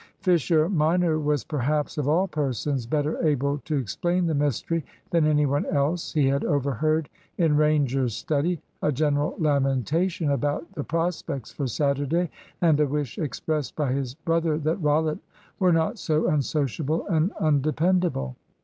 Fisher minor was perhaps, of all persons, better able to explain the mystery than any one else. He had overheard in Ranger's study a general lamentation about the prospects for Saturday, and a wish expressed by his brother that Rollitt were not so unsociable and undependable.